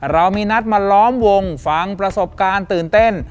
เรามีนัดมาล้อมวงฟังประสบการณ์ตื่นเต้น